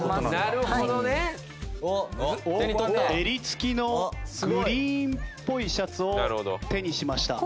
襟付きのグリーンっぽいシャツを手にしました。